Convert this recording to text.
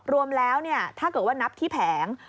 รวมแล้วถ้าเกิดว่านับที่แผง